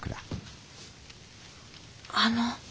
あの。